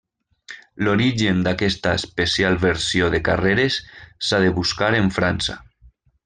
L'origen d'aquesta especial versió de carreres s'ha de buscar en França.